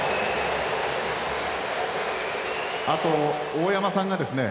あと、大山さんがですね